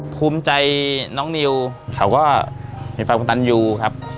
ภูมิใจน้องนิวเขาก็เห็นฟังคุณตันยูครับ